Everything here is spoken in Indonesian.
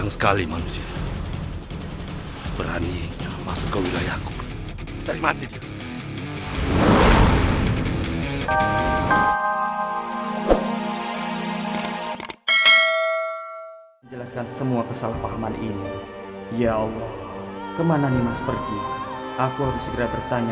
sampai jumpa di video selanjutnya